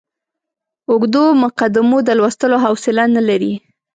اوږدو مقدمو د لوستلو حوصله نه لري.